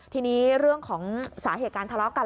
ทีนี้เรื่องของสาเหตุการทะเลาะกัน